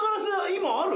今ある？